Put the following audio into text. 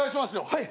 はい。